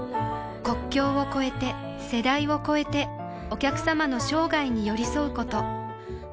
国境を超えて世代を超えてお客様の生涯に寄り添うこと